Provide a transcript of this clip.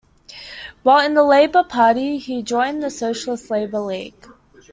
While in the Labour Party, he joined the Socialist Labour League.